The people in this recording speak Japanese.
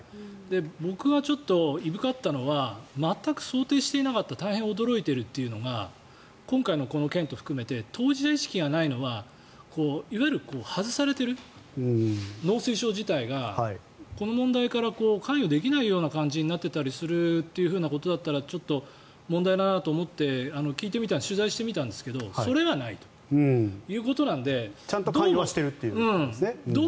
僕はいぶかったのは全く想定していなかった大変驚いているというのが今回のこの件と含めて当事者意識がないのはいわゆる外されている農水省自体がこの問題に関与できないような感じになってたりするということだったらちょっと問題だなと思って取材してみたんですけどそれはないということなので。